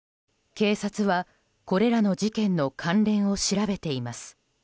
警察はこれらの事件の関連を調べています。